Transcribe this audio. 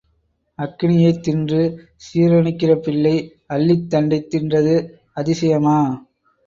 அக்கினியைத் தின்று சீரணிக்கிற பிள்ளை, அல்லித் தண்டைத் தின்றது அதிசயமா?